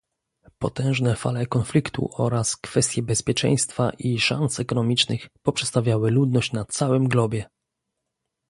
Potężne fale konfliktu oraz kwestie bezpieczeństwa i szans ekonomicznych poprzestawiały ludność na całym globie